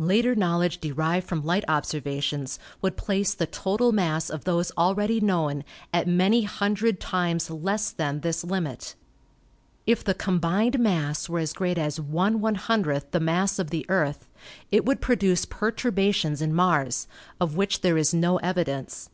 Later knowledge derived from light observations would place the total mass of those already known at many hundred times less than this limit. If the combined mass were as great as Vioo the mass of the Earth, it would produce perturbations in Mars of which there is no evidence.